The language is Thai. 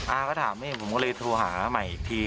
อาก็ถามแม่ผมก็เลยโทรหาใหม่อีกที